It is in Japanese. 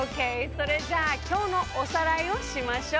それじゃあきょうのおさらいをしましょう！